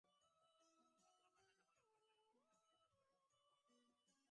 পাতলা পায়খানা হলেও পরিচ্ছন্ন পরিবেশে তৈরি সব ধরনের পুষ্টিকর খাবারই খাওয়া উচিত।